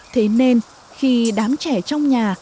thế nên khi đám trẻ trong nhà